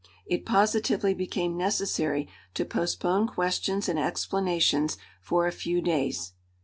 It positively became necessary to postpone questions and explanations for a few days.